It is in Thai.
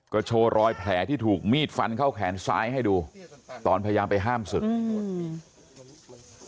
ก็โชว์รอยแผลที่ถูกมีดฟันเข้าแขนซ้ายให้ดูตอนพยายามไปห้ามศึกอืม